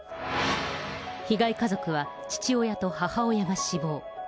被害家族は父親と母親が死亡。